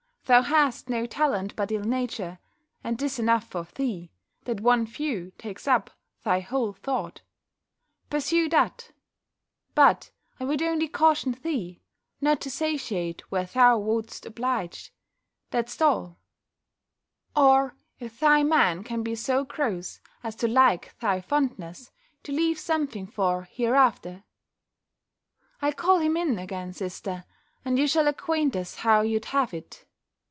Thou hast no talent but ill nature; and 'tis enough for thee, that one view takes up thy whole thought. Pursue that But I would only caution thee, not to satiate where thou wouldst oblige, that's all; or, if thy man can be so gross as to like thy fondness, to leave something for hereafter." "I'll call him in again, sister, and you shall acquaint us how you'd have it.